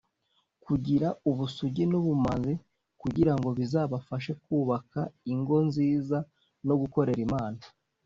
kugira ubusugi n’ubumanzi kugira ngo bizabafashe kubaka ingo nziza no gukorera Imana